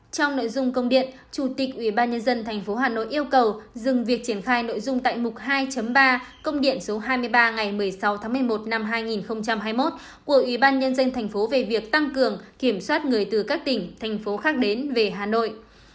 trong nội dung công điện chủ tịch ubnd tp hà nội yêu cầu dừng việc triển khai nội dung tại mục hai ba công điện số hai mươi ba ngày một mươi sáu tháng một mươi một năm hai nghìn hai mươi một của ủy ban nhân dân thành phố về việc tăng cường kiểm soát người từ các tỉnh thành phố khác đến về hà nội